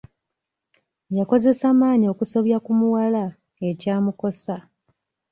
Yakozesa maanyi okusobya ku muwala ekyamukosa.